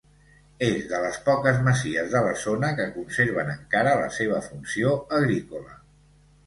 És de les poques masies de la zona que conserven encara la seva funció agrícola.